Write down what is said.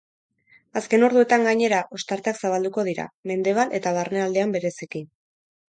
Azken orduetan gainera, ostarteak zabalduko dira, mendebal eta barnealdean bereziki.